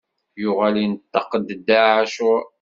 Yuɣal inṭeq-d Dda ɛacur.